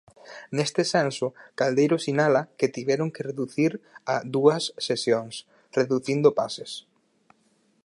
Neste senso, Caldeiro sinala que tiveron que reducir a dúas sesións, reducindo pases.